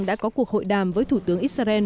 đã có cuộc hội đàm với thủ tướng israel